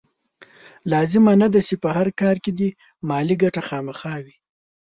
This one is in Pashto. لازمه نه ده چې په هر کار کې دې مالي ګټه خامخا وي.